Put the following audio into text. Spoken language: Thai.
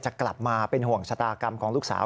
กลับมาเป็นห่วงชะตากรรมของลูกสาว